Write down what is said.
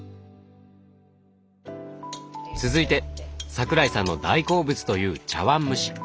続いて桜井さんの大好物という茶碗蒸し。